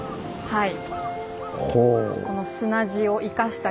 はい。